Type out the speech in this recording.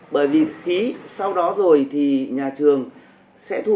bởi vì ký sau đó rồi thì nhà trường sẽ thu